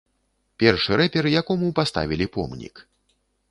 Першы рэпер, якому паставілі помнік.